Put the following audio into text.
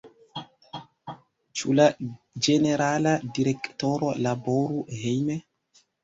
Ĉu la Ĝenerala Direktoro laboru hejme?